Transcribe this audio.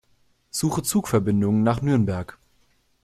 Suche Zugverbindungen nach Nürnberg.